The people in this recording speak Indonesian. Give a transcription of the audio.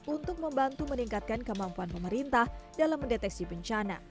untuk membantu meningkatkan kemampuan pemerintah dalam mendeteksi bencana